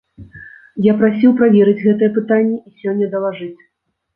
Я прасіў праверыць гэтыя пытанні і сёння далажыць.